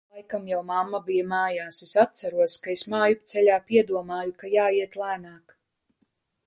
Laikam jau mamma bija mājās. es atceros, ka es mājupceļā piedomāju, ka jāiet lēnāk.